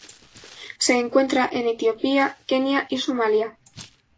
Se encuentra en Etiopía, Kenia y Somalia.